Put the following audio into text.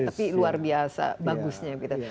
tapi luar biasa bagusnya kita